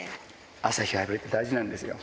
朝日を浴びるって大事なんですよ。